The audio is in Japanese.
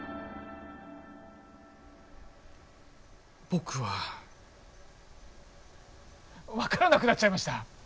僕は分からなくなっちゃいました！